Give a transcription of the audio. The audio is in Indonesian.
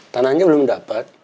tanahnya belum dapat